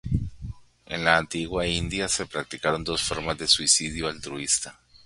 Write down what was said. En la antigua India, se practicaron dos formas de suicidio altruista.